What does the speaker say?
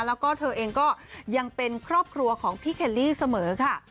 แล้วก็เธอเองก็ยังเป็นครอบครัวของพี่เคลลี่เสมอค่ะ